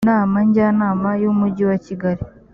inama njyanama y’umujyi wa kigali